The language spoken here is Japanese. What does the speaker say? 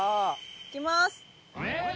いきます！